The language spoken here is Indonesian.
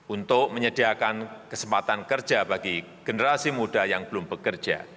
untuk menyediakan kesempatan kerja bagi generasi muda yang belum bekerja